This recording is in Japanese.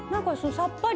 さっぱり。